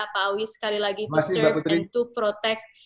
pak awi sekali lagi untuk bertahan dan melindungi